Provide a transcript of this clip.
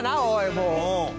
もう。